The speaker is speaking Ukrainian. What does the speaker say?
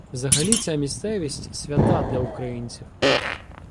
Взагалі ця місцевість — свята для українців.